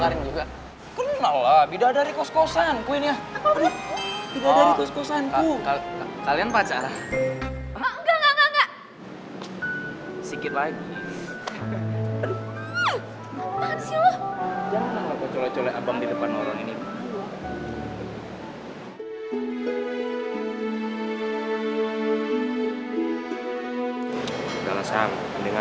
dan devon bisa tau itu karena teddy ngomong sama devon